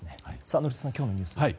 宣嗣さん、今日のニュースは。